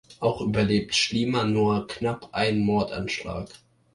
Auch überlebt Schliemann nur knapp einen Mordanschlag.